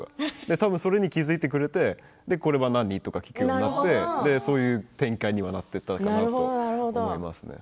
多分それに気付いてくれてこれは何？と聞くようになってそういう展開になっていたのかなと思いますね。